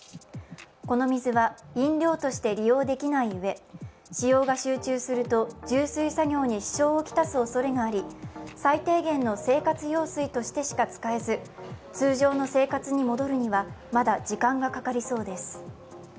この水は飲料として利用できないうえ、使用が集中すると充水作業に支障を来すおそれがあり最低限の生活用水としてしか使えず、通常の生活に戻るにはまだ時間がかかりそうです。